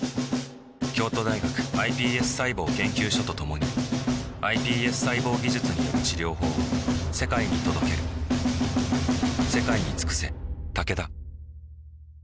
京都大学ｉＰＳ細胞研究所と共にｉＰＳ細胞技術による治療法を世界に届けるえ？